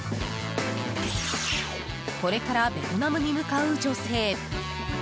これからベトナムに向かう女性。